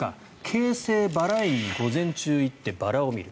京成バラ園に午前中に行ってバラを見る。